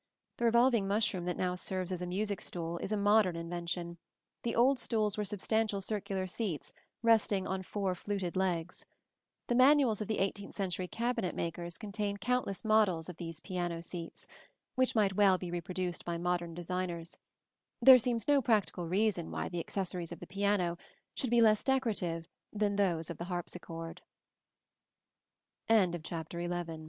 The revolving mushroom that now serves as a music stool is a modern invention: the old stools were substantial circular seats resting on four fluted legs. The manuals of the eighteenth century cabinet makers contain countless models of these piano seats, which might well be reproduced by modern designers: there seems no practical reason why the accessories of the piano shoul